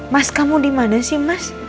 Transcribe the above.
mas kamu dimana sih mas